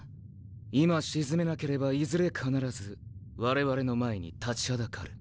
今沈めなければいずれ必ず我々の前に立ちはだかる。